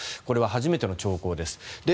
これは初めての兆候です。